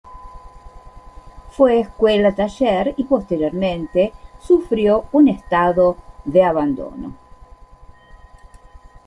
Fue Escuela Taller y posteriormente sufrió un estado de abandono.